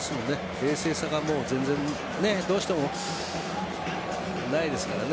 冷静さが全然どうしてもないですからね